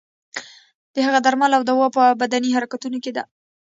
د هغه درمل او دوا په بدني حرکتونو کې ده.